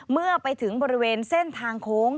เมื่อไปถึงบริเวณเส้นทางโค้ง